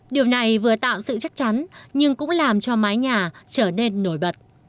điều này vừa tạo sự chắc chắn nhưng cũng làm cho mái nhà trở nên nổi bật